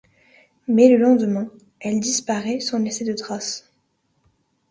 Mais le lendemain, elle disparaît sans laisser de traces.